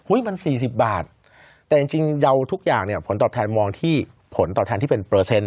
มัน๔๐บาทแต่จริงเดาทุกอย่างเนี่ยผลตอบแทนมองที่ผลตอบแทนที่เป็นเปอร์เซ็นต